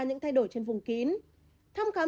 những thay đổi trên vùng kín thăm khám